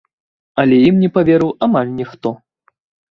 Але ім не паверыў амаль ніхто.